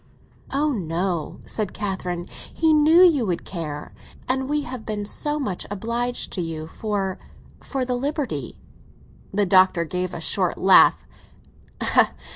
"Oh no," said Catherine; "he knew you would care. And we have been so much obliged to you for—for the liberty." The Doctor gave a short laugh.